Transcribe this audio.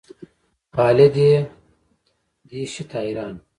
خالد یې دې شي ته حیران و.